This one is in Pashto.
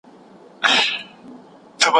هلته به پوه سې چي د میني اور دي وسوځوي